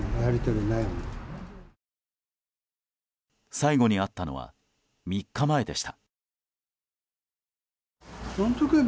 最後に会ったのは３日前でした。